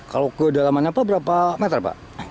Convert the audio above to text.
kalau kedalaman apa berapa meter pak